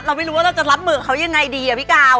ไม่รู้ว่าเราจะรับมือกับเขายังไงดีอะพี่กาว